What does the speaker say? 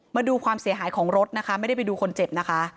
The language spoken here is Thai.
มาดูความเสียหายของรถนะคะไม่ได้ไปดูคนเจ็บนะคะ